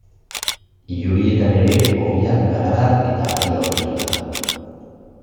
Hilobietan ere ogia, garagar et garia aurkitu da.